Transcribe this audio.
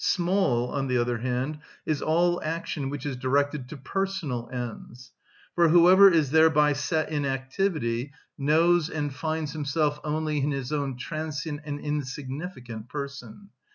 Small, on the other hand, is all action which is directed to personal ends; for whoever is thereby set in activity knows and finds himself only in his own transient and insignificant person.